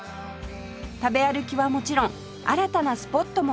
食べ歩きはもちろん新たなスポットも誕生